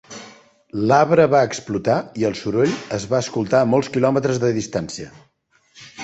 L"arbre va explotar i els soroll es va escoltar a molts kilòmetres de distància.